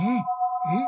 えっ？